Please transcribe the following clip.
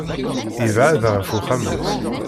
Yebɛed ɣef uxxam-is.